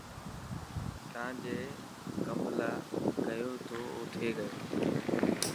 تا جي ڪم لاءِ گيو ٿو او ٿي گيو.